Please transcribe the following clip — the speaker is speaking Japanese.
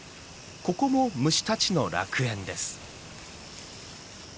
ここも虫たちの楽園です。